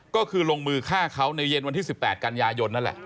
ก็คือลงมือฆ่าเขาในเย็นวันที่๑๘กันยายนนั่นแหละ